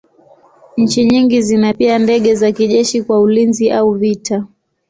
Nchi nyingi zina pia ndege za kijeshi kwa ulinzi au vita.